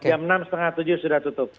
jam enam tiga puluh tujuh sudah tutup